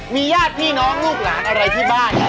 มีญาติพี่น้องลูกหลานอะไรที่บ้าน